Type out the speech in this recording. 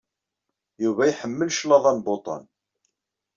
Yuba iḥemmel claḍa n Boton.